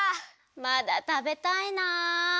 まだたべたいな。